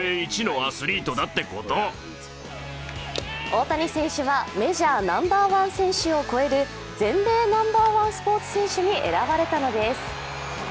大谷選手はメジャーナンバーワン選手を超える全米ナンバーワンスポーツ選手に選ばれたのです。